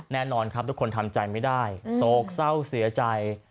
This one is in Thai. แน่นอนครับทุกคนทำใจไม่ได้โศกเศร้าเสียใจ